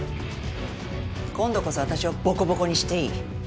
今度こそ私をボコボコにしていい。